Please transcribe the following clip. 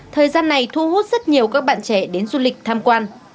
thời gian này thu hút rất nhiều các bạn trẻ đến du lịch tham quan